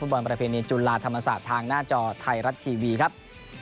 บอลประเพณีจุฬาธรรมศาสตร์ทางหน้าจอไทยรัฐทีวีครับ